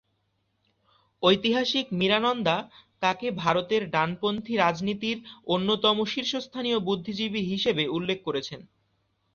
ঐতিহাসিক মীরা নন্দা তাঁকে ভারতের ডানপন্থী রাজনীতির অন্যতম শীর্ষস্থানীয় বুদ্ধিজীবী হিসাবে উল্লেখ করেছেন।